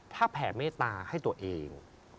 ถ้าแผ่เมตตาให้ตัวเอง